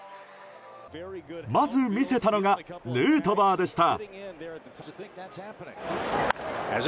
まず魅せたのがヌートバーでした。